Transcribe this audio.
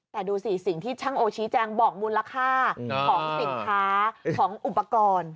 แต่ดูสิสิ่งที่ช่างโอชี้แจงบอกมูลค่าของสินค้าของอุปกรณ์